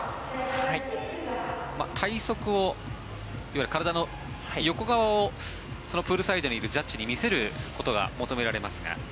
体側をいわゆる体の横側をプールサイドにいるジャッジに見せることが求められますが。